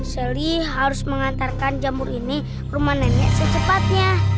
selly harus mengantarkan jamur ini rumah nenek secepatnya